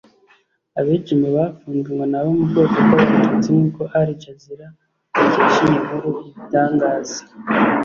Abenshi mu bafunzwe ngo ni abo mu bwoko bw’Abatutsi nk’uko Aljazeera dukesha iyi nkuru ibitangaza